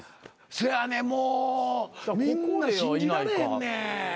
せやねんもうみんな信じられへんねん。